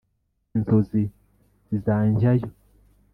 inzozi zizanjyayo